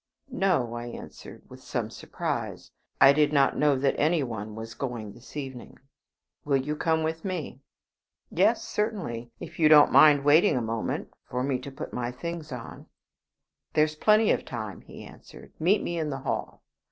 "No," I answered, with some surprise. "I did not know that any one was going this evening." "Will you come with me?" "Yes, certainly; if you don't mind waiting a moment for me to put my things on." "There's plenty of time," he answered; "meet me in the hall."